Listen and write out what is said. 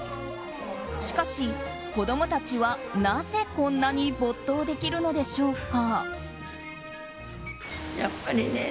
しかし、子供たちはなぜこんなに没頭できるのでしょうか。